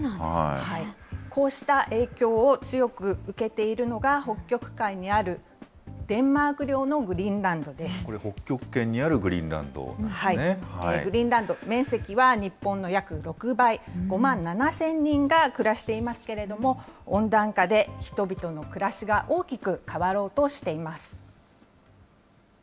こうした影響を強く受けているのが、北極海にあるデンマーク北極圏にあるグリーンランドグリーンランド、面積は日本の約６倍、５万７０００人が暮らしていますけれども、温暖化で人々の暮らしが大きく変わろうとしています。